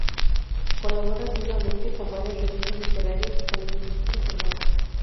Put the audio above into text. Colabora asiduamente con varias revistas literarias y con el Instituto Cervantes.